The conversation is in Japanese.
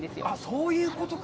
そういうことか。